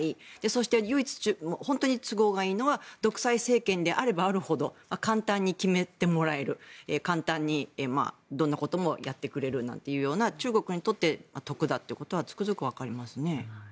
そして、本当に都合がいいのは独裁政権であればあるほど簡単に決めてもらえる簡単にどんなこともやってくれるという中国にとって得だということはつくづく分かりますね。